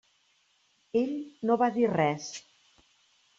Ell no va dir res.